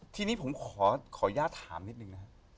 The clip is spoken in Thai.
ทีนี้ผมขอย่าถามนิดนึงนะครับ